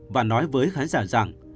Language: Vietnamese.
và nói với khán giả rằng